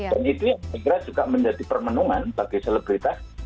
dan itu yang saya kira juga menjadi permenungan bagi selebritas